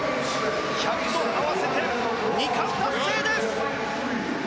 １００と合わせて２冠達成です。